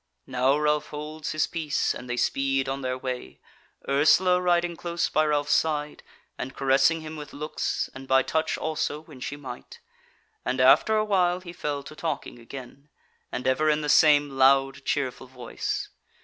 Now Ralph holds his peace, and they speed on their way, Ursula riding close by Ralph's side, and caressing him with looks, and by touch also when she might; and after a while he fell to talking again, and ever in the same loud, cheerful voice.